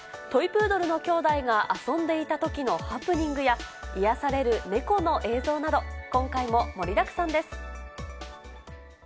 トイプードルの兄妹が遊んでいたときのハプニングや、癒やされる猫の映像など、今回も盛りだくさんです。